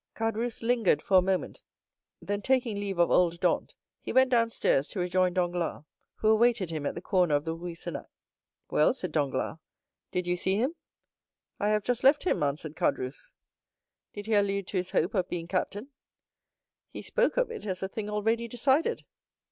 Caderousse lingered for a moment, then taking leave of old Dantès, he went downstairs to rejoin Danglars, who awaited him at the corner of the Rue Senac. "Well," said Danglars, "did you see him?" "I have just left him," answered Caderousse. "Did he allude to his hope of being captain?" "He spoke of it as a thing already decided."